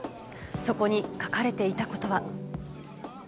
そこに書かれていたことは。